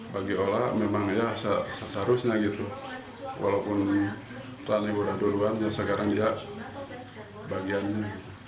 bagi ola memang ya seharusnya gitu walaupun rani udah duluan ya sekarang ya bagiannya